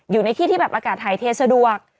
อยู่ในที่ที่แบบอากาศหายเทสะดวก